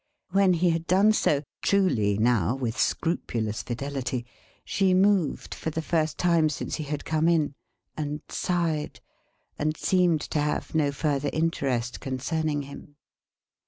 When he had done so (truly now; with scrupulous fidelity), she moved, for the first time since he had come in; and sighed; and seemed to have no further interest concerning him.